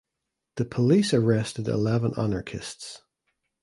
The police arrested eleven anarchists.